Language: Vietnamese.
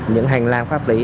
những hành lang pháp lý